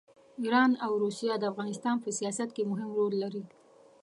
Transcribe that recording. ایران او روسیه د افغانستان په سیاست کې مهم رول لري.